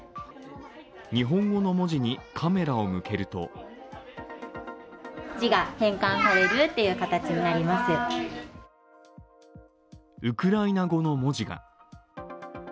日本語の文字にカメラを向けるとウクライナ語の文字が。